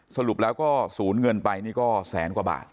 สรุปแล้วก็สูญเงินไปนี่ก็แสนกว่าบาท